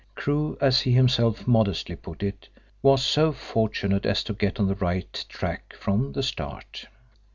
Crewe, as he himself modestly put it, was so fortunate as to get on the right track from the start.